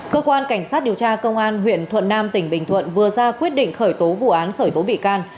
cơ quan cảnh sát điều tra công an huyện thuận nam tỉnh bình thuận vừa ra quyết định khởi tố vụ án khởi tố bị can